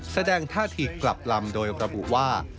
แสดงท่าทีกลับลำโดยระบุว่า